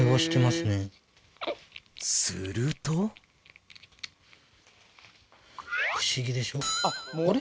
すると不思議でしょあれ？